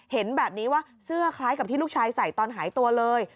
เห็นแบบนี้ว่าเสื้อคล้ายกับที่ลูกชายใส่ตอนหายตัวเลย